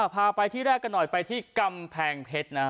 พาไปที่แรกกันหน่อยไปที่กำแพงเพชรนะ